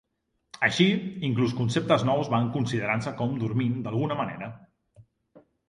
Així, inclús conceptes nous van considerar-se com dormint d'alguna manera.